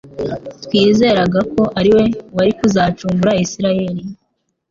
«Twiringiraga ko ari we wari kuzacungura Isiraeli.»